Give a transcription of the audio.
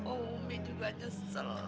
oh mi juga nyesel